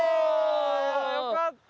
よかった。